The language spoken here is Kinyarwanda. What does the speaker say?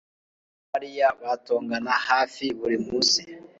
Tom na Mariya batongana hafi buri munsi